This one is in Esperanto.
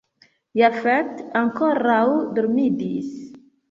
Jafet ankoraŭ dormadis.